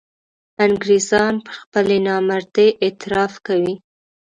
انګرېزان پر خپلې نامردۍ اعتراف کوي.